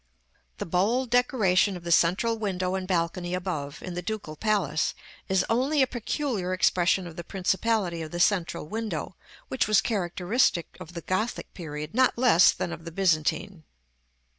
The bold decoration of the central window and balcony above, in the Ducal Palace, is only a peculiar expression of the principality of the central window, which was characteristic of the Gothic period not less than of the Byzantine.